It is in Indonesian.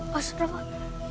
kamu ketahuan sama manusia buaya